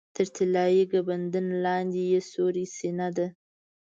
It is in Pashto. تر طلایي ګنبدې لاندې یې سورۍ سینه ده.